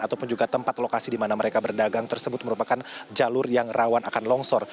ataupun juga tempat lokasi di mana mereka berdagang tersebut merupakan jalur yang rawan akan longsor